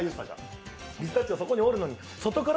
ピスタチオ、そこにいるのに。